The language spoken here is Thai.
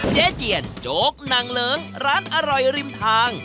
เจียนโจ๊กนางเลิ้งร้านอร่อยริมทาง